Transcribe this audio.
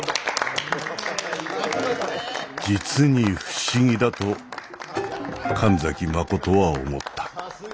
実に不思議だと神崎真は思った。